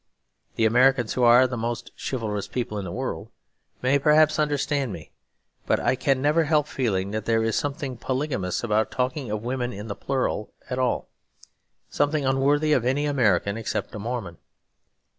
The Americans, who are the most chivalrous people in the world, may perhaps understand me; but I can never help feeling that there is something polygamous about talking of women in the plural at all; something unworthy of any American except a Mormon.